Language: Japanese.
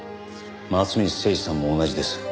松水誠二さんも同じです。